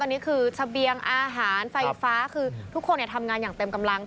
อันนี้คือเสบียงอาหารไฟฟ้าคือทุกคนทำงานอย่างเต็มกำลัง